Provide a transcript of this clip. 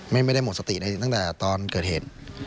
ไม่ได้หมดสติในตั้งแต่ตอนเกิดเหตุ